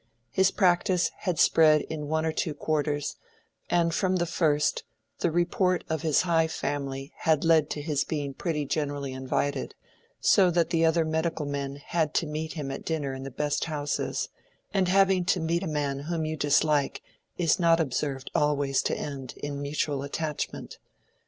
His practice had spread in one or two quarters, and from the first the report of his high family had led to his being pretty generally invited, so that the other medical men had to meet him at dinner in the best houses; and having to meet a man whom you dislike is not observed always to end in a mutual attachment.